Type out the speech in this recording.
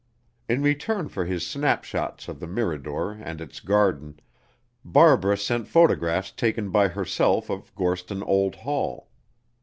In return for his snapshots of the Mirador and its garden, Barbara sent photographs taken by herself of Gorston Old Hall.